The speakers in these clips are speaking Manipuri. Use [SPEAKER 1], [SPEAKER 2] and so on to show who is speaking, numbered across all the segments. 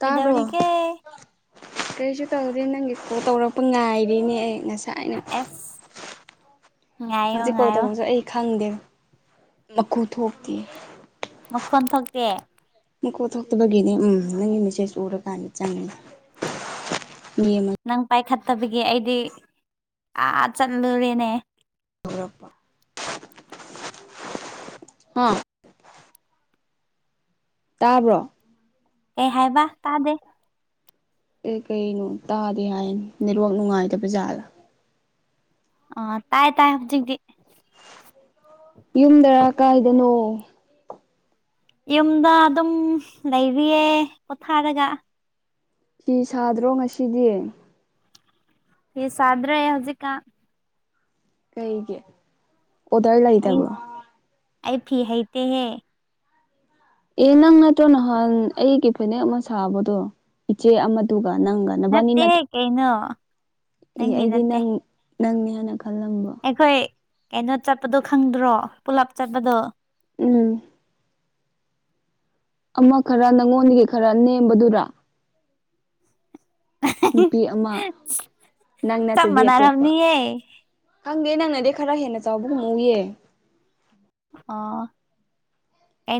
[SPEAKER 1] ꯇꯥꯕ꯭ꯔꯣ
[SPEAKER 2] ꯀꯩꯗꯧꯔꯤꯒꯦ
[SPEAKER 1] ꯀꯔꯤꯁꯨ ꯇꯧꯦ ꯅꯪꯒꯤ ꯐꯣ ꯇꯧꯔꯛ ꯄ ꯉꯥꯏꯔꯤꯅꯦ ꯑꯩ ꯉꯁꯥꯏꯅ
[SPEAKER 2] ꯑꯦꯁ ꯉꯥꯏꯌꯣ
[SPEAKER 1] ꯍꯧꯖꯤꯛ ꯀꯣꯜ
[SPEAKER 2] ꯉꯥꯏꯌꯣ
[SPEAKER 1] ꯇꯧꯔꯁꯨ ꯑꯩ ꯈꯪꯗꯦ ꯃꯀꯨ ꯊꯣꯛꯇꯦ
[SPEAKER 2] ꯃꯈꯣꯟ ꯊꯣꯛꯀꯦ
[SPEAKER 1] ꯃꯀꯣ ꯊꯣꯛꯇꯕꯒꯤꯅꯦ ꯎꯝ ꯅꯪꯒꯤ ꯃꯦꯁꯦꯖ ꯎꯔꯀꯥꯟꯗ ꯆꯪꯉꯤꯅꯦ ꯌꯃ
[SPEAKER 2] ꯅꯪ ꯄꯥꯏꯈꯠꯇꯕꯒꯤ ꯑꯩꯗꯤ ꯑꯥ ꯆꯠꯂꯨꯔꯦꯅꯦ
[SPEAKER 1] ꯍꯧ꯭ꯔꯄ ꯑꯥ ꯇꯥꯕ꯭ꯔꯣ
[SPEAKER 2] ꯑꯦ ꯍꯥꯏꯕ ꯇꯥꯗꯦ
[SPEAKER 1] ꯑꯦ ꯀꯩꯩꯅꯣ ꯇꯥꯗꯦ ꯍꯥꯏꯅꯤ ꯅꯦꯠꯋꯥꯛ ꯅꯨꯡꯉꯥꯏꯗ ꯕꯖꯥꯔꯗ
[SPEAKER 2] ꯑ ꯇꯥꯏ ꯇꯥꯏ ꯍꯖꯤꯡꯗꯤ
[SPEAKER 1] ꯌꯨꯝꯗꯔꯥ ꯀꯥꯏꯗꯅꯣ
[SPEAKER 2] ꯌꯨꯝꯗ ꯑꯗꯨꯝ ꯂꯩꯔꯤꯌꯦ ꯄꯣꯊꯥꯔꯒ
[SPEAKER 1] ꯐꯤ ꯁꯥꯗ꯭ꯔꯣ ꯉꯁꯤꯗꯤ
[SPEAKER 2] ꯌꯦ ꯁꯥꯗ꯭ꯔꯦ ꯍꯧꯖꯤꯛ
[SPEAKER 1] ꯀꯩꯒꯤ ꯑꯣꯗꯔ ꯂꯩꯇꯕꯣ
[SPEAKER 2] ꯑ ꯐꯤꯍꯩꯇꯦ ꯍꯦ
[SPEAKER 1] ꯑꯦ ꯅꯪ ꯅꯠꯇ꯭ꯔꯣ ꯅꯍꯥꯟ ꯑꯩꯒꯤ ꯐꯅꯦꯛ ꯑꯃ ꯁꯥꯕꯗꯣ ꯏꯆꯦ ꯑꯃꯗꯨ ꯅꯪꯒꯅ ꯅꯤ ꯅ
[SPEAKER 2] ꯅꯠꯇꯦꯍꯦ ꯀꯩꯅꯣ
[SPEAKER 1] ꯑꯦ
[SPEAKER 2] ꯅꯪꯒꯤ
[SPEAKER 1] ꯑꯩꯗꯤ
[SPEAKER 2] ꯅꯠꯇꯦ
[SPEAKER 1] ꯅꯪ ꯅꯪꯅꯦ ꯍꯥꯏꯟꯅ ꯈꯜꯂꯝꯕꯣ
[SPEAKER 2] ꯑꯩꯈꯣꯏ ꯀꯩꯅꯣ ꯆꯠꯄꯗꯣ ꯈꯪꯗ꯭ꯔꯣ ꯄꯨꯂꯞ ꯆꯠꯄꯗꯣ
[SPEAKER 1] ꯎꯝ ꯑꯃ ꯈꯔ ꯅꯪꯉꯣꯟꯗꯒꯤ ꯈꯔ ꯅꯦꯝꯕꯗꯨꯔ ꯅꯨꯄꯤ ꯑꯃ ꯅꯪ
[SPEAKER 2] ꯆꯞ
[SPEAKER 1] ꯅꯠꯇꯕꯤ ꯑꯇꯣꯞꯄ
[SPEAKER 2] ꯃꯥꯟꯅꯔꯝꯅꯤꯌꯦ
[SPEAKER 1] ꯍꯪꯒꯦ ꯅꯪꯅꯗꯤ ꯈꯔ ꯍꯦꯟꯅ ꯆꯥꯎꯕꯒꯨꯝꯃꯎꯌꯦ
[SPEAKER 2] ꯑꯥ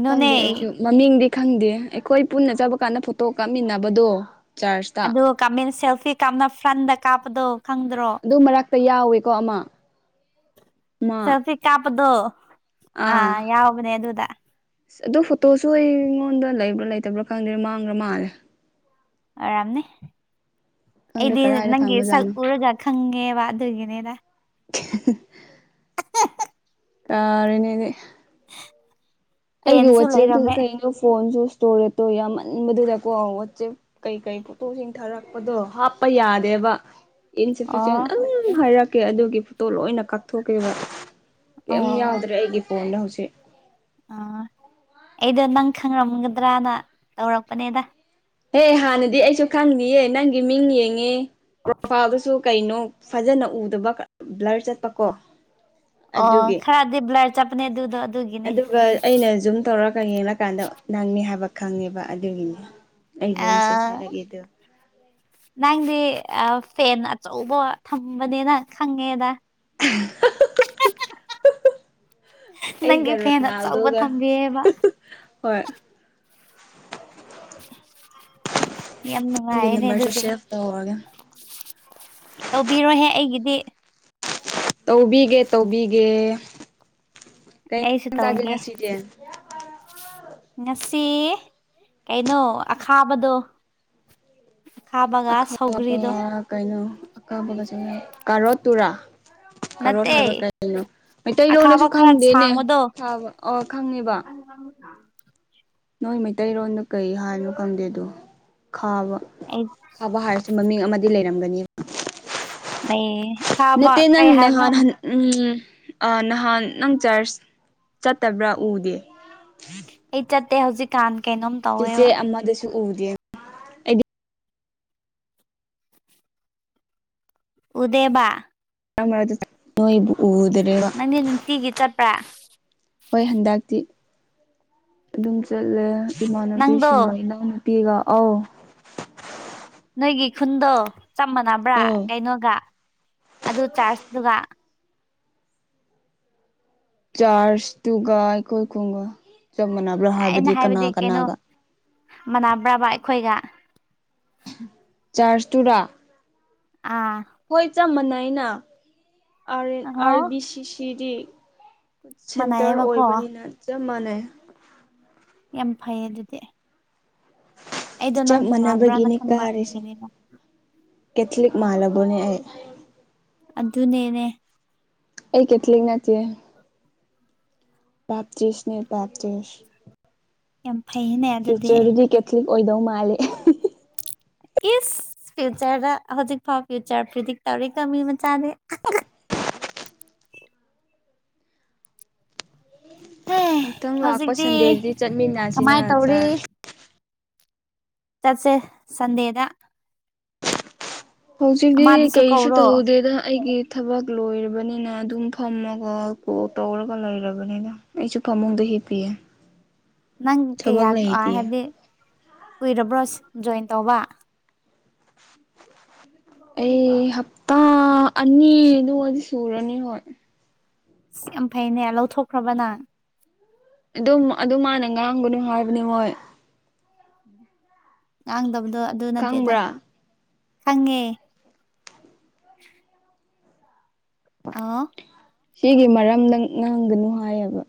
[SPEAKER 1] ꯈꯪꯗꯦ ꯑꯩꯁꯨ ꯃꯃꯤꯡꯗꯤ ꯈꯪꯗꯦ ꯑꯩꯈꯣꯏ ꯄꯨꯟꯅ ꯆꯠꯕ ꯀꯥꯟꯗ ꯐꯣꯇꯣ ꯀꯥꯞꯃꯤꯟꯅꯕꯗꯣ ꯆꯥꯔꯖꯇ
[SPEAKER 2] ꯑꯗꯨ ꯀꯥꯞꯃ ꯁꯦꯜꯐꯤ ꯀꯥꯞꯅ ꯐ꯭ꯔꯟꯗ ꯀꯥꯞꯄꯗꯣ ꯈꯪꯗ꯭ꯔꯣ
[SPEAKER 1] ꯇ ꯌꯥꯎꯋꯦꯀꯣ ꯑꯃ ꯃꯥ
[SPEAKER 2] ꯁꯦꯜꯐꯤ ꯀꯥꯄꯗꯨ ꯑ
[SPEAKER 1] ꯑꯥ
[SPEAKER 2] ꯌꯥꯎꯕꯅꯦ ꯑꯗꯨ ꯑꯗꯨꯗ
[SPEAKER 1] ꯑꯗꯨ ꯐꯣꯇꯣꯁꯨ ꯑꯩꯉꯣꯟꯗ ꯂꯩꯕ꯭ꯔꯥ ꯂꯩꯇꯕ꯭ꯔꯥ ꯈꯪꯗ꯭ꯔꯦ ꯃꯥꯡꯈ꯭ꯔꯥ ꯃꯥꯜꯂꯦ
[SPEAKER 2] ꯑꯔꯝꯅꯦ
[SPEAKER 1] ꯈꯪꯗ꯭ꯔꯦ
[SPEAKER 2] ꯏꯗꯤ
[SPEAKER 1] ꯀꯔꯥꯏꯗ
[SPEAKER 2] ꯅꯪꯒꯤ ꯁ
[SPEAKER 1] ꯊꯝꯕꯖꯥꯠꯅꯣ
[SPEAKER 2] ꯎꯔꯒ ꯈꯪ ꯋꯥ ꯑꯗꯨꯒꯤꯅꯦꯅ
[SPEAKER 1] [inaudible] ꯀꯔ ꯏꯅꯦꯅꯦ ꯑꯩꯒꯤ
[SPEAKER 2] ꯐꯦꯟꯁꯨ
[SPEAKER 1] ꯋꯥꯆꯦꯞꯇꯨꯗ
[SPEAKER 2] ꯂꯩꯔꯝꯃꯦ
[SPEAKER 1] ꯀꯩꯅꯣ ꯐꯣꯟꯁꯨ ꯏꯁꯇꯣꯔꯦꯇꯣ ꯌꯥꯝꯃꯟꯕꯗꯨꯗꯀꯣ ꯋꯥꯆꯦꯞ ꯀꯩ ꯀꯩ ꯐꯣꯇꯣꯁꯤꯡ ꯊꯥꯔꯛꯄꯗꯣ ꯍꯥꯞꯄ ꯌꯥꯗꯦꯕ ꯏꯟ
[SPEAKER 2] ꯑꯣ
[SPEAKER 1] ꯑꯗꯨꯝ ꯍꯥꯏꯔꯛꯀꯦ ꯑꯗꯨꯒꯤ ꯐꯣꯇꯣ ꯂꯣꯏꯅ ꯀꯥꯞꯊꯣꯛꯀꯦꯕ ꯀ
[SPEAKER 2] ꯑꯣ
[SPEAKER 1] ꯌꯥꯎꯗ꯭ꯔꯦ ꯑꯩꯒꯤ ꯐꯣꯟꯗ ꯍꯧꯖꯤꯛ
[SPEAKER 2] ꯑꯥ ꯑꯩꯗꯣ ꯅꯪ ꯈꯪꯔꯝꯒꯗ꯭ꯔꯅ ꯇꯧꯔꯛꯄꯅꯦꯗ
[SPEAKER 1] ꯑꯦꯦ ꯍꯥꯟꯅꯗꯤ ꯑꯩꯁꯨ ꯈꯪꯉꯌꯦꯦ ꯅꯪꯒꯤ ꯃꯤꯡ ꯌꯦꯡꯉꯦ ꯄ꯭ꯔꯣꯐꯥꯏꯜꯗꯨꯁꯨ ꯀꯩꯅꯣ ꯐꯖꯅ ꯎꯗꯕ ꯕ꯭ꯂꯔ ꯆꯠꯄꯀꯣ
[SPEAKER 2] ꯑꯣ
[SPEAKER 1] ꯑꯗꯨꯒꯤ
[SPEAKER 2] ꯈꯔꯗꯤ ꯕ꯭ꯂꯔ ꯆꯠꯄꯅꯦ ꯑꯗꯨꯗꯣ ꯑꯗꯨꯒꯤꯅꯦ
[SPEAKER 1] ꯑꯗꯨꯒ ꯑꯩꯅ ꯖꯨꯝ ꯇꯧꯔꯒ ꯌꯦꯡꯀꯥꯟꯗ ꯅꯪꯅꯦ ꯍꯥꯏꯕ ꯈꯪꯉꯦꯕ ꯑꯗꯨꯒꯤꯅꯤ ꯑꯩꯕꯨꯝꯁꯦꯠ
[SPEAKER 2] ꯑꯥ
[SPEAKER 1] ꯆꯔꯛꯏꯗꯣ
[SPEAKER 2] ꯅꯪꯗꯤ ꯐꯦꯟ ꯑꯆꯧꯕ ꯊꯝꯕꯅꯤꯅ ꯈꯪꯉꯦꯗ
[SPEAKER 1] [unintelligible] ꯑꯩ
[SPEAKER 2] ꯅꯪꯒꯤ
[SPEAKER 1] ꯀꯔ
[SPEAKER 2] ꯐꯦꯟ ꯑꯆꯧꯕ
[SPEAKER 1] ꯅꯗꯧꯒ
[SPEAKER 2] ꯊꯝꯕꯤꯌꯦꯕ
[SPEAKER 1] ꯍꯣꯏ
[SPEAKER 2] ꯌꯥꯝ
[SPEAKER 1] ꯅꯪꯒꯤ
[SPEAKER 2] ꯅꯨꯡꯉꯥꯏꯅꯦ
[SPEAKER 1] ꯅꯝꯕꯔꯁꯨ
[SPEAKER 2] ꯑꯗꯨꯗꯤ
[SPEAKER 1] ꯁꯦꯞ ꯇꯧꯔꯒꯦ
[SPEAKER 2] ꯇꯧꯕꯤꯔꯣꯍꯦ ꯑꯩꯒꯤꯗꯤ
[SPEAKER 1] ꯇꯧꯕꯤꯒꯦ ꯇꯧꯕꯤꯒꯦ ꯀ
[SPEAKER 2] ꯑꯩꯁꯨ
[SPEAKER 1] ꯆꯥꯒꯦ
[SPEAKER 2] ꯇꯧꯒꯦ
[SPEAKER 1] ꯉꯁꯤꯁꯦ
[SPEAKER 2] ꯉꯁꯤ ꯀꯩꯅꯣ ꯑꯈꯥꯕꯗꯣ ꯑ ꯈꯥꯕꯉꯥ ꯁꯧꯒꯔꯤꯗꯣ
[SPEAKER 1] ꯀꯥ ꯇꯨꯔ
[SPEAKER 2] [unintelligible] [inaudible] ꯅꯠꯇꯦ ꯑꯈꯥꯕ
[SPEAKER 1] ꯃꯩꯇꯩꯂꯣꯟꯗꯁꯨ
[SPEAKER 2] ꯈꯔ
[SPEAKER 1] ꯈꯪꯗꯦꯅꯦ
[SPEAKER 2] ꯁꯥꯡꯕꯗꯣ
[SPEAKER 1] ꯈꯥꯕ ꯑ ꯈꯪꯉꯦꯕ ꯅꯣꯏ ꯃꯩꯇꯩꯔꯣꯟꯗ ꯀꯩ ꯍꯥꯏꯅꯣ ꯈꯪꯗꯦꯗꯣ ꯈꯥꯕ
[SPEAKER 2] ꯑꯩ
[SPEAKER 1] ꯈꯥꯕ ꯍꯥꯏꯔꯁꯨ ꯃꯃꯤꯡ ꯑꯃꯗꯤ ꯂꯩꯔꯝꯒꯅꯤ
[SPEAKER 2] ꯂꯩꯌꯦ ꯑꯈꯥꯕ
[SPEAKER 1] ꯅꯠꯇꯦ
[SPEAKER 2] ꯀꯩ
[SPEAKER 1] ꯅꯪ
[SPEAKER 2] ꯍꯥꯏꯕꯅꯣ
[SPEAKER 1] ꯅꯍꯥꯟ ꯎꯝ ꯑ ꯅꯍꯥꯟ ꯅꯪ ꯆꯥꯔꯆ ꯆꯠꯇꯕ꯭ꯔꯥ ꯎꯗꯦ
[SPEAKER 2] ꯑꯩ ꯆꯠꯇꯦ ꯍꯧꯖꯤꯛꯀꯥꯟ ꯀꯩꯅꯣꯝ
[SPEAKER 1] ꯆꯦꯆꯦ
[SPEAKER 2] ꯇꯧꯋꯦꯕ
[SPEAKER 1] ꯑꯃꯗꯁꯨ ꯎꯗꯦ ꯑꯩꯗꯤ
[SPEAKER 2] ꯎꯗꯦꯕ
[SPEAKER 1] ꯑꯗꯨ ꯅꯣꯏꯕꯨ ꯎꯗ꯭ꯔꯦꯕ
[SPEAKER 2] ꯅꯪꯗꯤ ꯅꯨꯡꯇꯤꯒꯤ ꯆꯠꯄ꯭ꯔꯥ
[SPEAKER 1] ꯍꯣꯏ ꯍꯟꯗꯛꯇꯤ ꯑꯗꯨꯝ ꯆꯠꯂꯦ
[SPEAKER 2] ꯅꯪꯗꯣ
[SPEAKER 1] ꯏꯃꯥꯟꯅꯨꯄꯤꯁꯤꯡꯒ ꯏꯅꯥꯎꯅꯨꯄꯤꯒ ꯑꯧ
[SPEAKER 2] ꯅꯣꯏꯒꯤ ꯈꯨꯟꯗꯣ ꯆꯞ ꯃꯥꯟꯅꯕ꯭ꯔꯥ
[SPEAKER 1] ꯑꯧ
[SPEAKER 2] ꯀꯩꯅꯣꯒ ꯑꯗꯨ ꯆꯥꯔꯖꯗꯨꯒ
[SPEAKER 1] ꯆꯥꯔꯖꯇꯨꯒ ꯑꯩꯈꯣꯏꯈꯨꯝꯒ ꯆꯞ ꯃꯥꯟꯅꯕ꯭ꯔꯥ
[SPEAKER 2] ꯑꯩꯅ
[SPEAKER 1] ꯍꯥꯏꯕꯗꯤ ꯀꯅꯥ
[SPEAKER 2] ꯀꯩꯅꯣ
[SPEAKER 1] ꯀꯅꯥꯒ
[SPEAKER 2] ꯃꯥꯟꯅꯕ꯭ꯔꯕ ꯑꯩꯈꯣꯏꯒ
[SPEAKER 1] ꯆꯔꯖ ꯇꯨꯔꯥ
[SPEAKER 2] ꯑꯥ
[SPEAKER 1] ꯆ ꯃꯥꯟꯅꯅ
[SPEAKER 2] ꯑꯣ
[SPEAKER 1] ꯑꯥꯔ ꯕꯤ ꯁꯤ ꯁꯤꯗꯤ ꯁꯦꯟꯇꯔ
[SPEAKER 2] ꯃꯥꯟꯅꯩꯌꯦꯕꯀꯣ
[SPEAKER 1] ꯑꯣꯏꯕꯅꯤꯅ ꯆꯞ ꯃꯥꯟꯅꯩ
[SPEAKER 2] ꯌꯥꯝ ꯐꯩ ꯑꯗꯨꯗꯤ ꯑꯩꯗꯣ
[SPEAKER 1] ꯆꯞ
[SPEAKER 2] ꯅꯪ ꯇꯣꯉꯥꯟꯕ꯭ꯔꯅ
[SPEAKER 1] ꯃꯥꯟꯅꯕꯒꯤꯅꯦ
[SPEAKER 2] ꯈꯟꯕ
[SPEAKER 1] ꯀꯥꯔꯤꯁꯦ
[SPEAKER 2] ꯑꯗꯨꯒꯤꯅꯦꯕ
[SPEAKER 1] ꯀꯦꯊꯂꯤꯛ ꯃꯥꯥꯂꯒꯅꯤ ꯍꯥꯏ
[SPEAKER 2] ꯑꯗꯨꯅꯦꯅꯦ
[SPEAKER 1] ꯑꯩ ꯀꯇꯂꯤ ꯅ ꯄꯦꯞꯇꯤꯁꯅꯦ ꯄꯦꯞꯇꯤꯁ
[SPEAKER 2] ꯌꯥꯝ ꯐꯩꯅꯦ ꯑꯗꯨꯗꯤ
[SPEAKER 1] ꯀꯦꯊꯂꯤꯛ ꯑꯣꯏꯗꯧ ꯃꯥꯜꯂꯦ
[SPEAKER 2] ꯀ ꯐꯤꯌꯨꯆꯔꯗ ꯍꯧꯖꯤꯛ ꯐꯥꯎ ꯐ꯭ꯌꯨꯆꯔ ꯄ꯭ꯔꯤꯗꯤꯛ ꯇꯧꯔꯤ ꯀ ꯃꯤ ꯃꯆꯥꯅꯤ ꯍꯩ
[SPEAKER 1] ꯃꯨꯊꯪ ꯂꯥꯛꯄ
[SPEAKER 2] ꯍꯧꯖꯤꯛꯇꯤ
[SPEAKER 1] ꯁꯟꯗꯦꯁꯤꯗꯤ
[SPEAKER 2] ꯀꯃꯥꯏ
[SPEAKER 1] ꯆꯠꯃꯤꯟꯅꯁꯤꯅ ꯆꯥꯔ
[SPEAKER 2] ꯆꯁꯦ ꯁꯗꯦꯗ
[SPEAKER 1] ꯍꯧꯖꯤꯛꯇꯤ ꯀꯩꯁꯨ
[SPEAKER 2] ꯀꯧꯔꯣ
[SPEAKER 1] ꯇꯧꯍꯧꯗꯦꯗ ꯑꯩꯒꯤ ꯊꯕꯛ ꯂꯣꯏꯔꯕꯅꯤꯅ ꯑꯗꯨꯝ ꯐꯝꯃꯒ ꯀꯣ ꯇꯧꯔꯒ ꯂꯩꯔꯕꯅꯤꯅ ꯑꯩꯁꯨ ꯐꯝꯃꯧꯗꯣꯏ ꯏ ꯄꯤ ꯑꯦ
[SPEAKER 2] [unintelligible] [inaudible] ꯅꯪ ꯀꯩꯌꯥ ꯍꯥꯏꯗꯤ ꯀꯨꯏꯔꯕ꯭ꯔꯣ ꯖꯣꯏꯟ ꯇꯧꯕ [unintelligible] [inaudible]
[SPEAKER 1] ꯑꯩ ꯍꯞꯇꯥ ꯑꯅꯤ ꯑꯗꯨ ꯑꯣꯏꯗꯤ ꯁꯨꯔꯅꯤ ꯍꯣꯏ
[SPEAKER 2] ꯌꯥꯝ ꯐꯩꯅꯦ ꯂꯧꯊꯣꯛꯈ꯭ꯔꯕꯅ
[SPEAKER 1] ꯑꯗꯨꯝ ꯑꯗꯨ ꯃꯥꯅ ꯉꯥꯡꯒꯅꯨ ꯍꯥꯏꯕꯅꯤ ꯃꯣꯏ
[SPEAKER 2] ꯉꯥꯡꯗꯕꯗꯣ ꯑꯗꯨ ꯅꯠꯇꯦꯗ
[SPEAKER 1] ꯈꯪꯕ꯭ꯔꯥ
[SPEAKER 2] ꯐꯉꯦ ꯑꯥ
[SPEAKER 1] ꯁꯤꯒꯤ ꯃꯔꯝꯗꯪ ꯉꯪꯒꯅꯨ ꯍꯥꯏꯌꯦꯕ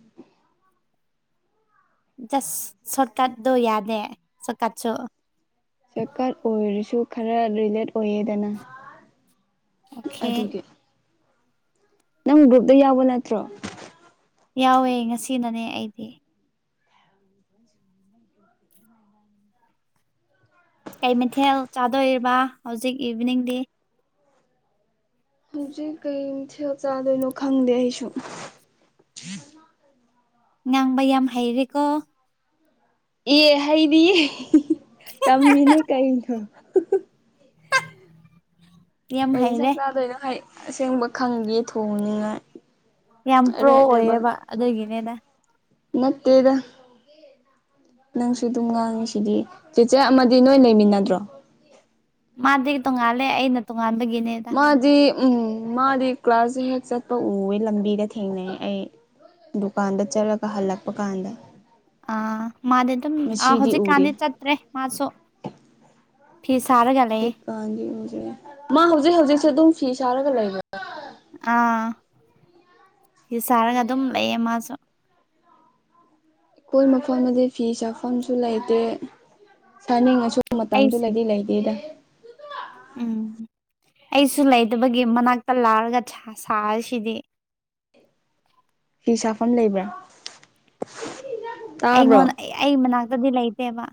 [SPEAKER 2] ꯖꯁ ꯁꯣꯔꯠꯀꯥꯠꯗꯣ ꯌꯥꯅꯦ ꯁꯣꯔꯠꯀꯥꯠꯁꯨ
[SPEAKER 1] ꯁꯔꯀꯥꯔ ꯑꯣꯏꯔꯁꯨ ꯈꯔ ꯔꯤꯂꯦꯠ ꯑꯣꯏꯌꯦꯗꯅ
[SPEAKER 2] ꯑꯣꯈꯦ
[SPEAKER 1] ꯑꯗꯨꯒꯤ ꯅꯪ ꯒ꯭ꯔꯨꯞꯇ ꯌꯥꯎꯕ ꯅꯠꯇ꯭ꯔꯣ
[SPEAKER 2] ꯌꯥꯎꯋꯦ ꯉꯁꯤꯅꯅꯦ ꯑꯩꯗꯤ ꯀꯩ ꯃꯊꯦꯜ ꯆꯥꯗꯣꯔꯤꯕ ꯍꯧꯖꯤꯛ ꯏꯚꯤꯅꯤꯡꯗꯤ
[SPEAKER 1] ꯍꯧꯖꯤꯛ ꯀꯩꯝ ꯊ ꯆꯥꯗꯣꯏꯅꯣ ꯈꯪꯗꯦ ꯑꯩꯁꯨ
[SPEAKER 2] ꯉꯥꯡꯕ ꯌꯥꯝ ꯍꯩꯔꯦꯀꯣ
[SPEAKER 1] ꯑꯦ ꯍꯩꯗꯤꯌꯦ ꯇꯝꯃꯤꯅꯦ ꯀꯩꯅꯣ
[SPEAKER 2] [inaudible]
[SPEAKER 1] ꯀꯔꯤ ꯁꯛ
[SPEAKER 2] ꯍꯩꯔꯦ
[SPEAKER 1] ꯆꯥꯗꯣꯏꯅꯣ ꯍꯥꯏ ꯑꯁꯦꯡꯕ ꯈꯪꯒꯦ ꯊꯣꯡꯅꯤꯡꯉꯥꯏ
[SPEAKER 2] ꯌꯥꯝ ꯄ꯭ꯔꯣ ꯑꯣꯏꯌꯦꯕ ꯑꯗꯨꯒꯤꯅꯦꯅ
[SPEAKER 1] ꯅꯠꯇꯦꯗ ꯅꯪꯁꯨ ꯑꯗꯨꯝ ꯉꯥꯡꯉꯤꯁꯤꯗꯤ ꯆꯤꯆꯔ ꯑꯃꯗꯤ ꯅꯣꯏ ꯂꯩꯃꯤꯟꯅꯗ꯭ꯔꯣ
[SPEAKER 2] ꯃꯥꯗꯤ ꯇꯣꯉꯥꯜꯂꯦ ꯑꯩꯅ ꯇꯣꯉꯥꯟꯕꯒꯤꯅꯦꯗ
[SPEAKER 1] ꯃꯥꯗꯤ ꯎꯝ ꯃꯥꯗꯤ ꯀ꯭ꯂꯥꯁꯁꯦ ꯍꯦꯛ ꯆꯠꯄ ꯎꯋꯦ ꯂꯝꯕꯤꯗ ꯊꯦꯡꯅꯩ ꯑꯩ ꯗꯨꯀꯥꯟꯗ ꯆꯠꯂꯒ ꯍꯜꯂꯛꯄ ꯀꯥꯟꯗ
[SPEAKER 2] ꯑꯥ ꯃꯥꯗꯤ ꯑꯗꯨꯝ
[SPEAKER 1] ꯉꯁꯤꯗꯤ ꯎꯗꯦ
[SPEAKER 2] ꯍꯧꯖꯤꯛꯀꯥꯟꯗꯤ ꯆꯠꯇ꯭ꯔꯦ ꯃꯥꯁꯨ ꯐꯤ ꯁꯥꯔꯒ ꯂꯩꯌꯦ
[SPEAKER 1] ꯍꯧꯖꯤꯛꯀꯥꯟꯒꯤ ꯎꯖꯔꯤꯦ ꯃꯥ ꯍꯧꯖꯤꯛ ꯍꯧꯖꯤꯛꯁꯦ ꯑꯗꯨꯝ ꯐꯤ ꯁꯥꯔꯒ ꯂꯩꯕꯥ
[SPEAKER 2] ꯑꯥ ꯐ ꯁꯥꯔꯒ ꯑꯗꯨꯝ ꯂꯩꯌꯦ ꯃꯥꯁꯨ
[SPEAKER 1] ꯑꯩꯈꯣꯏ ꯃꯐꯝꯗꯗꯤ ꯐꯤ ꯆꯥꯐꯝꯁꯨ ꯂꯩꯇꯦ ꯆꯅꯤꯡꯉꯁꯨ
[SPEAKER 2] ꯑꯩꯁ
[SPEAKER 1] ꯃꯇꯝꯗꯨꯗꯗꯤ ꯂꯩꯗꯦꯗ
[SPEAKER 2] ꯎꯝ ꯑꯩꯁꯨ ꯂꯩꯇꯕꯒꯤ ꯃꯅꯥꯛꯇ ꯂꯥꯔꯒ ꯁꯥꯁꯤꯗꯤ [inaudible]
[SPEAKER 1] ꯐ ꯁꯥꯐꯝ ꯂꯩꯕ꯭ꯔꯥ ꯇꯥꯕ꯭ꯔꯣ
[SPEAKER 2] ꯑꯩꯉꯣꯟꯗ ꯑꯩ ꯃꯅꯥꯛꯇꯗꯤ ꯂꯩꯇꯦꯕ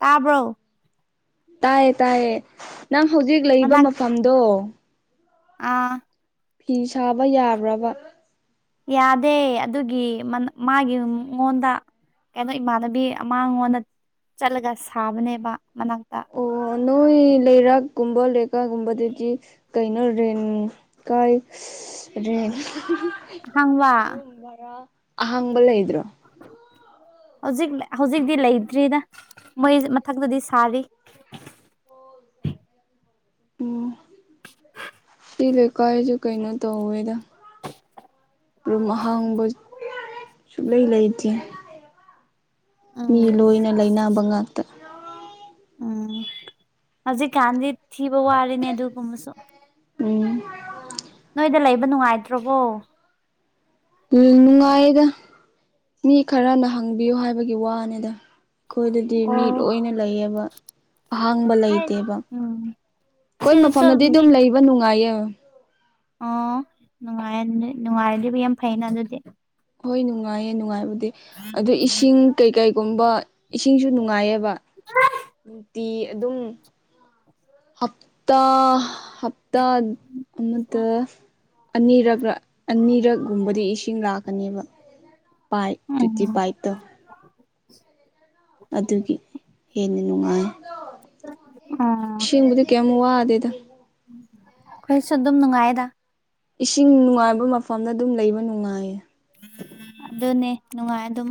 [SPEAKER 2] ꯇꯥꯕ꯭ꯔꯣ
[SPEAKER 1] ꯇꯥꯏꯌꯦ ꯇꯥꯏꯌꯦ ꯅꯪ ꯍꯧꯖꯤꯛ ꯂꯩꯕ
[SPEAKER 2] ꯃꯅꯥꯛꯇ
[SPEAKER 1] ꯃꯐꯝꯗꯣ
[SPEAKER 2] ꯑꯥ
[SPEAKER 1] ꯐꯤ ꯁꯥꯕ ꯌꯥꯕ꯭ꯔꯕ
[SPEAKER 2] ꯌꯥꯗꯦ ꯑꯗꯨꯒꯤ ꯃꯥꯒꯤ ꯃꯉꯣꯟꯗ ꯀꯩꯅꯣ ꯏꯃꯥꯟꯅꯕꯤ ꯑꯃꯥꯡꯉꯣꯟꯗ ꯆꯠꯂꯒ ꯁꯥꯕꯅꯦꯕ ꯃꯅꯥꯛꯇ
[SPEAKER 1] ꯑꯣ ꯅꯣꯏ ꯂꯩꯔꯥꯛꯀꯨꯝꯕ ꯂꯩꯀꯥꯒꯨꯝꯕꯗꯗꯤ ꯀꯩꯅꯣ ꯔꯦꯟ ꯀꯥꯏ
[SPEAKER 2] ꯍꯥꯡꯕ
[SPEAKER 1] ꯌꯨꯝꯚꯔ ꯑꯍꯪꯕꯂ ꯍꯥꯏ꯭ꯔꯣ
[SPEAKER 2] [inaudible] ꯍꯧꯖꯤꯛ ꯍꯧꯖꯤꯛꯇꯤ ꯂꯩꯇ꯭ꯔꯤꯅ ꯃꯣꯏ ꯃꯊꯛꯇꯗꯤ ꯁꯥꯔꯤ
[SPEAKER 1] ꯎꯝ
[SPEAKER 2] [inaudible]
[SPEAKER 1] ꯇꯤ ꯂꯩꯀꯥꯏꯑꯁꯨ ꯀꯩꯅꯣ ꯇꯧꯋꯗ ꯄꯨꯔꯨꯝ ꯑꯍꯥꯡꯕ ꯁꯨꯡꯂꯩ ꯂꯩꯇꯦ ꯃꯤ
[SPEAKER 2] ꯎꯝ
[SPEAKER 1] ꯂꯣꯏꯅ ꯂꯩꯅꯕ ꯉꯥꯛꯇ
[SPEAKER 2] ꯎꯝ ꯍꯧꯖꯤꯛ ꯀꯥꯟꯗꯤ ꯊꯕ ꯋꯥꯔꯅꯦꯗꯨ ꯀꯨꯁꯨ
[SPEAKER 1] ꯎꯝ
[SPEAKER 2] ꯅꯣꯏꯗ ꯂꯩꯕ ꯅꯨꯡꯉꯥꯏꯇ꯭ꯔꯣꯕꯣ
[SPEAKER 1] ꯅꯨꯡꯉꯥꯏꯌꯦꯗ ꯃꯤ ꯈꯔꯅ ꯍꯪꯕꯤꯌꯨ ꯍꯥꯏꯕꯒꯤ ꯋꯥꯅꯤꯗ ꯑꯩꯈꯣꯏꯗꯗꯤ ꯃꯤꯠ
[SPEAKER 2] ꯑꯣ
[SPEAKER 1] ꯂꯣꯏꯅ ꯂꯩꯌꯦꯕ ꯑꯍꯥꯡꯕ
[SPEAKER 2] ꯍꯥꯏ
[SPEAKER 1] ꯂꯩꯇꯦꯕ
[SPEAKER 2] ꯎꯝ
[SPEAKER 1] ꯑꯩꯈꯣꯏ
[SPEAKER 2] ꯁꯤꯗꯁꯨ
[SPEAKER 1] ꯃꯐꯝꯗꯗꯤ
[SPEAKER 2] ꯃꯤ
[SPEAKER 1] ꯑꯗꯨꯝ ꯂꯩꯕ ꯅꯨꯡꯉꯥꯏꯌꯦꯕ
[SPEAKER 2] ꯑꯣ ꯅꯨꯡꯉꯥꯏ ꯅꯨꯡꯉꯥꯏꯔꯗꯤꯕꯨ ꯌꯥꯝ ꯐꯩꯩꯅ ꯑꯗꯨꯗꯤ
[SPEAKER 1] ꯍꯣꯏ ꯅꯨꯡꯉꯥꯏꯌꯦ ꯅꯨꯡꯉꯥꯏꯕꯗꯤ ꯑꯗꯨꯗ ꯏꯁꯤꯡ ꯀꯩꯀꯩꯒꯨꯝꯕ ꯏꯁꯤꯡꯁꯨ ꯅꯨꯡꯉꯥꯏꯌꯦꯕ
[SPEAKER 2] ꯎ
[SPEAKER 1] ꯇꯤ ꯑꯗꯨꯝ ꯍꯥꯞꯇꯥ ꯍꯞꯇꯥ ꯑꯃ ꯑꯅꯤꯔꯛ ꯑꯅꯤꯔꯛꯒꯨꯝꯕꯗꯤ ꯏꯁꯤꯡ ꯂꯥꯛꯀꯅꯦꯕ ꯄꯥꯏ ꯇꯗꯤ
[SPEAKER 2] ꯎꯝ
[SPEAKER 1] ꯄꯥꯏ ꯇꯣ
[SPEAKER 2] [unintelligible]
[SPEAKER 1] ꯑꯗꯨꯒꯤ ꯍꯦꯟꯅ ꯅꯨꯡꯉꯥꯏ
[SPEAKER 2] ꯎ
[SPEAKER 1] ꯏꯁꯤꯡꯕꯗꯤ ꯀꯌꯥꯃꯨꯛ ꯋꯥꯗꯦꯗ
[SPEAKER 2] ꯑꯩꯏꯁꯨ ꯑꯗꯨꯝ ꯅꯨꯅꯨꯡꯉꯥꯏꯗ
[SPEAKER 1] ꯏꯁꯤꯡ ꯅꯨꯡꯉꯥꯏꯕ ꯃꯐꯝꯗ ꯑꯗꯨꯝ ꯂꯩꯕ ꯅꯨꯡꯉꯥꯏꯌꯦ
[SPEAKER 2] ꯑꯗꯨꯅꯦ ꯅꯨꯡꯉꯥꯏ ꯑꯗꯨꯝ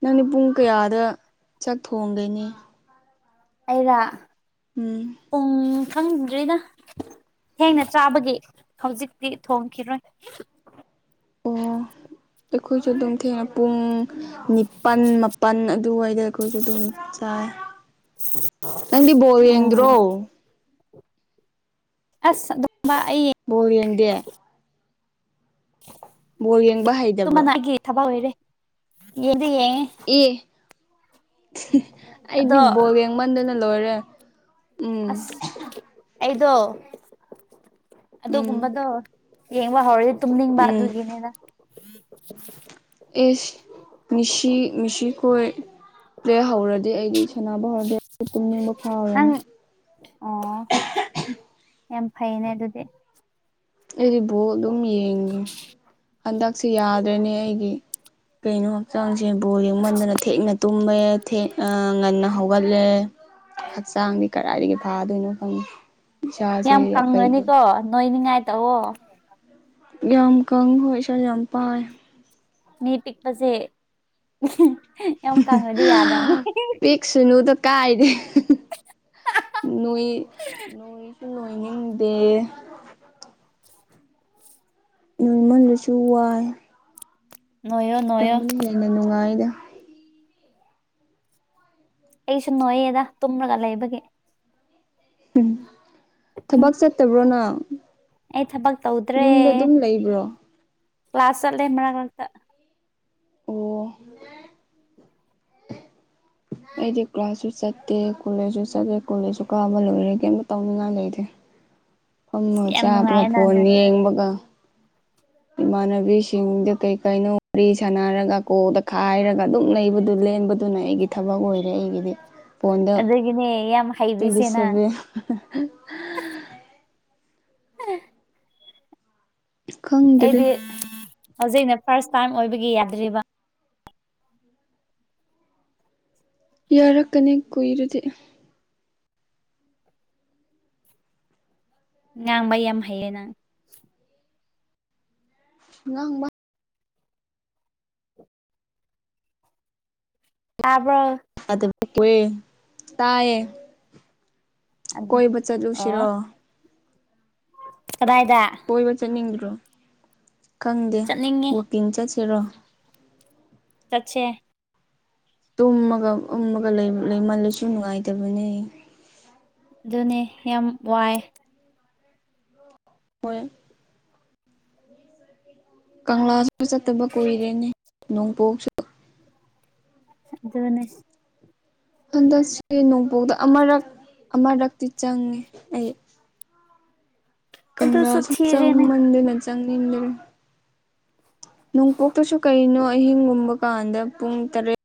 [SPEAKER 1] ꯅꯪꯗꯤ ꯄꯨꯡ ꯀꯌꯥꯗ ꯆꯥꯛ ꯊꯣꯡꯒꯣꯏꯅꯤ
[SPEAKER 2] ꯑꯩꯔ
[SPEAKER 1] ꯎꯝ
[SPEAKER 2] ꯈꯪꯗ꯭ꯔꯦꯗ ꯊꯦꯡꯅ ꯆꯥꯕꯒꯤ ꯍꯧꯖꯤꯛꯇꯤ ꯊꯣꯡꯈꯤꯔꯣꯏ
[SPEAKER 1] ꯑꯣ ꯑꯩꯈꯣꯏꯁꯨ ꯑꯗꯨꯝ ꯊꯦꯡꯅ ꯄꯨꯡ ꯅꯤꯄꯥꯜ ꯃꯥꯄꯜ ꯑꯗꯨꯋꯥꯏꯗ ꯈ‌ꯣꯏꯁꯨ ꯑꯗꯨꯝ ꯆꯥꯏ ꯅꯪꯗꯤ ꯕꯣꯔ
[SPEAKER 2] ꯎꯝ
[SPEAKER 1] ꯌꯦꯡꯗ꯭ꯔꯣ
[SPEAKER 2] ꯑꯁ ꯑꯗꯨꯝꯕ ꯑꯩ
[SPEAKER 1] ꯌꯦꯒꯦ ꯌꯦꯡꯕ
[SPEAKER 2] ꯇꯨꯃ
[SPEAKER 1] ꯍꯩꯇꯕ꯭ꯔꯣ
[SPEAKER 2] ꯅ ꯊꯕ ꯑꯣꯏꯣꯏꯔꯦ ꯌꯦꯗꯤ
[SPEAKER 1] ꯑꯦ ꯑꯩꯗꯤ
[SPEAKER 2] ꯑꯗꯣ
[SPEAKER 1] ꯕꯣꯜ ꯌꯦꯡꯃꯟꯗꯅ ꯂꯣꯏꯔꯦ ꯎꯝ
[SPEAKER 2] ꯑꯁ ꯑꯩꯗꯣ ꯑꯗꯨꯗꯣ
[SPEAKER 1] ꯎꯝ
[SPEAKER 2] ꯀꯝꯕꯗꯣ ꯌꯦꯡꯕ ꯍꯧꯔꯗꯤ ꯇꯨꯝꯅꯤꯡꯕ
[SPEAKER 1] ꯎꯝ
[SPEAKER 2] ꯑꯗꯨꯒꯤꯅꯦꯅ
[SPEAKER 1] ꯑꯦꯁ ꯃꯤꯁꯤ ꯃꯤꯁꯤ ꯀꯣꯏ ꯄ꯭ꯂꯦ ꯍꯧꯔꯒꯦ ꯑꯩꯗꯤ ꯁꯥꯟꯅꯕ ꯍꯧꯔꯗꯤꯦ ꯑꯩ ꯄꯨꯨꯝꯅꯤꯡꯕ
[SPEAKER 2] ꯅꯪ
[SPEAKER 1] ꯐꯥꯎꯔꯅꯤ
[SPEAKER 2] ꯑꯣ ꯌꯥꯝ ꯐꯩꯅꯦ ꯑꯗꯨꯗꯤ
[SPEAKER 1] ꯑꯩꯕꯨ ꯑꯗꯨꯝ ꯌꯦꯡꯉꯤ ꯍꯟꯗꯛ ꯁ ꯌꯥꯗ꯭ꯔꯦꯅꯦ ꯑꯩꯒꯤ ꯀꯩꯅꯣ ꯍꯛꯆꯥꯡꯁꯦ ꯕꯣꯜ ꯌꯦꯡꯃꯟꯗꯅ ꯊꯦꯛꯅ ꯇ ꯀꯨꯝꯕ ꯉꯟꯅ ꯍꯧꯒꯠꯂꯦ ꯍꯛꯆꯥꯡꯗꯤ ꯀꯗꯥꯏꯗꯒꯤ ꯐꯥꯗꯣꯏꯅꯣ ꯐꯪꯉꯤ
[SPEAKER 2] ꯌꯥꯝ ꯀꯪꯉꯅꯤꯀꯣ ꯅꯣꯏꯅꯤꯉꯥꯏ ꯇꯑꯣ
[SPEAKER 1] ꯌꯥꯝ ꯀꯪ ꯍꯣꯏꯁꯥ ꯌꯥꯝꯝꯄꯥꯏ
[SPEAKER 2] ꯃꯤ ꯄꯤꯛꯄꯁꯦ ꯌꯥꯝ ꯀꯪꯉꯗꯤ ꯌꯥꯗꯕꯅꯦ
[SPEAKER 1] ꯀꯥꯏꯔꯦ ꯅꯣꯏ ꯅꯣꯏ ꯂꯣꯏꯅꯤꯡꯡꯗꯦ ꯌꯣꯟꯃꯟꯗꯨꯁꯨ ꯋꯥꯏ
[SPEAKER 2] ꯅꯣꯏꯌꯣ ꯅꯣꯏꯌꯣ
[SPEAKER 1] ꯀꯪꯕꯅ ꯍꯦꯟꯅ ꯅꯨꯡꯉꯥꯏꯗ
[SPEAKER 2] ꯑꯩꯁꯨ ꯅꯣꯏꯌꯦꯗ ꯇꯨꯝꯂꯒ ꯂꯩꯕꯒꯤ
[SPEAKER 1] ꯎꯝ ꯊꯕꯛ ꯆꯠꯇꯕ꯭ꯔꯣꯅ
[SPEAKER 2] ꯑꯩ ꯊꯕꯛ
[SPEAKER 1] ꯌꯨꯝꯗ ꯑꯗꯨꯝ ꯂꯩꯕ꯭ꯔꯣ
[SPEAKER 2] ꯀ꯭ꯂꯥꯁꯜꯦ ꯃꯒꯇ
[SPEAKER 1] ꯑꯣ ꯑꯩꯗꯤ ꯀ꯭ꯂꯥꯁꯁꯨ ꯆꯠꯇꯦ ꯀꯣꯂꯦꯖꯁꯨ ꯆꯠꯂꯦ ꯀꯣꯂꯦꯖꯁꯨ ꯀꯥꯕ ꯂꯣꯏꯔꯦ ꯀꯩꯝꯇ ꯇꯧꯅꯤꯡꯉꯥꯏ ꯂꯩꯇꯦ
[SPEAKER 2] [unintelligible]
[SPEAKER 1] ꯀꯪꯉꯣ
[SPEAKER 2] ꯌꯥꯝ
[SPEAKER 1] ꯆꯥꯕꯒ
[SPEAKER 2] ꯅꯨꯡꯉꯥꯏꯌꯦꯅ
[SPEAKER 1] ꯐꯣꯟ
[SPEAKER 2] ꯑꯗꯨꯗꯤ
[SPEAKER 1] ꯌꯦꯡꯕꯒ ꯏꯃꯥꯟꯅꯕꯤꯁꯤꯡꯗ ꯀꯩ ꯀꯩꯅꯣ ꯋꯥꯔꯤ ꯁꯥꯟꯅꯔꯒ ꯀꯣꯗ ꯈꯥꯏꯔꯒ ꯑꯗꯨꯝ ꯂꯩꯕꯗꯨ ꯂꯩ ꯂꯦꯡꯕꯗꯨꯅ ꯑꯩꯒꯤ ꯊꯕꯛ ꯑꯣꯏꯔꯦ ꯑꯩꯒꯤꯗꯤ ꯐꯣꯟꯗ
[SPEAKER 2] ꯑꯗꯨꯒꯤꯅꯦ ꯌꯥꯝ
[SPEAKER 1] ꯇ꯭ꯋꯦꯟꯇꯤ
[SPEAKER 2] ꯍꯩꯔꯤꯁꯦ ꯅꯪ
[SPEAKER 1] ꯁꯚꯦꯟ
[SPEAKER 2] ꯎꯝ
[SPEAKER 1] ꯈꯪꯗ꯭ꯔꯦ
[SPEAKER 2] ꯍꯧꯖꯤꯛ ꯑꯩꯅ ꯐꯥꯔꯁ ꯇꯥꯏꯝ ꯑꯣꯏꯕꯒꯤ ꯌꯥꯗ꯭ꯔꯤꯕ
[SPEAKER 1] ꯌꯥꯔꯛꯀꯅꯤ ꯀꯨꯏꯔꯨꯗꯤ
[SPEAKER 2] ꯉꯥꯡꯕ ꯌꯥꯝ ꯍꯩꯌꯦ ꯅꯪ
[SPEAKER 1] ꯉ
[SPEAKER 2] ꯇꯥꯕ꯭ꯔ
[SPEAKER 1] ꯑꯑꯦ ꯇꯥꯏꯌꯦ ꯀꯣꯏꯕ
[SPEAKER 2] ꯑꯣ
[SPEAKER 1] ꯆꯠꯂꯨꯁꯤꯔꯣ
[SPEAKER 2] ꯀꯗꯥꯏꯗ
[SPEAKER 1] ꯀꯣꯏꯕ ꯆꯠꯅꯤꯡꯗ꯭ꯔꯣ ꯈꯪꯗꯦ
[SPEAKER 2] ꯆꯠꯅꯤꯡꯉꯤ
[SPEAKER 1] ꯋꯀꯤꯡ ꯆꯠꯁꯤꯔꯣ
[SPEAKER 2] ꯆꯠꯆꯦ
[SPEAKER 1] ꯇꯨꯝꯃꯒ ꯎꯨꯝꯃꯒ ꯂꯩꯃꯜꯂꯁꯨ ꯅꯨꯡꯉꯥꯏꯇꯕꯅꯦ
[SPEAKER 2] ꯑꯗꯨꯅꯦ ꯌꯥꯝ ꯋꯥꯏ
[SPEAKER 1] ꯍꯣꯏ ꯀꯪꯂꯥꯁꯨ ꯆꯠꯇꯕ ꯀꯨꯏꯔꯦꯅꯦ ꯅꯣꯡꯄꯣꯛꯁꯨ
[SPEAKER 2] ꯑꯗꯨꯗꯅꯦ [inaudible]
[SPEAKER 1] ꯍꯟꯗꯛꯁ ꯅꯣꯡꯄꯣꯛꯗ ꯑꯃꯔꯛ ꯑꯃꯨꯔꯛꯇꯤ ꯆꯪꯉꯦ ꯑꯩ
[SPEAKER 2] ꯑꯗꯨꯁꯨ
[SPEAKER 1] ꯀꯪꯂꯥꯁꯨ ꯆꯪ
[SPEAKER 2] ꯊꯤꯔꯦꯅꯦ
[SPEAKER 1] ꯃꯟꯗꯅ ꯆꯪꯅꯤꯡꯟꯗꯅ ꯅꯣꯡꯄꯣꯛꯇꯁꯨ ꯀꯩꯅꯣ ꯑꯍꯤꯡꯒꯨꯝꯕ ꯀꯥꯟꯗ ꯄꯨꯡ ꯇꯔꯦꯠ